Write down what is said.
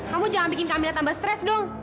kamu jangan bikin kami tambah stres dong